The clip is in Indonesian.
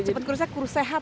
cepet kurusnya kurus sehat